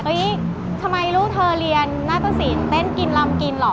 ทำไมลูกเธอเรียนนาตสินเต้นกินลำกินเหรอ